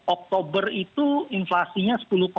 oktober itu inflasinya sepuluh enam